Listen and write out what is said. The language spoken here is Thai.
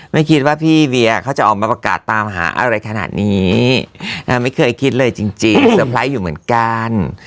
ไม่คิดว่าพี่เวียเขาจะออกมาประกาศตามหาอะไรขนาดนี้ไม่เคยคิดเลยจริงเตอร์ไพรส์อยู่เหมือนกัน